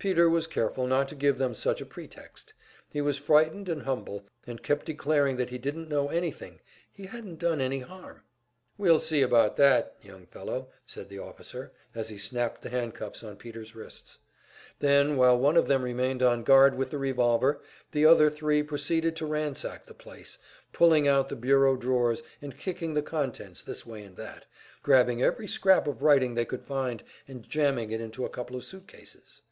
Peter was careful not to give them such a pretext; he was frightened and humble, and kept declaring that he didn't know anything, he hadn't done any harm. "We'll see about that, young fellow!" said the officer, as he snapped the handcuffs on Peter's wrists. Then, while one of them remained on guard with the revolver, the other three proceeded to ransack the place, pulling out the bureau drawers and kicking the contents this way and that, grabbing every scrap of writing they could find and jamming it into a couple of suit cases.